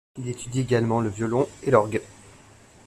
Il étudie également le violon et l’orgue.